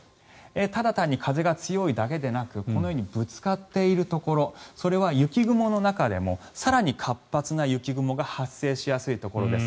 ただ単に風が強いだけでなくこのようにぶつかっているところそれは雪雲の中でも更に活発な雪雲が発生しやすいところです。